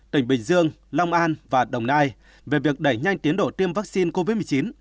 tỉnh bình dương long an và đồng nai về việc đẩy nhanh tiến độ tiêm vaccine covid một mươi chín